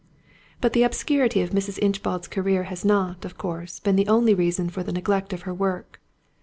But the obscurity of Mrs. Inchbald's career has not, of course, been the only reason for the neglect of her work.